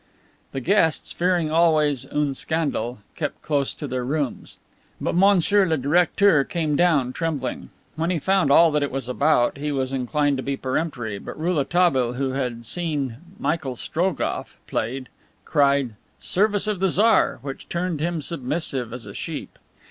The guests, fearing always "une scandale," kept close to their rooms. But Monsieur le directeur came down, trembling. When he found all that it was about he was inclined to be peremptory, but Rouletabille, who had seen "Michael Strogoff" played, cried, "Service of the Tsar!" which turned him submissive as a sheep.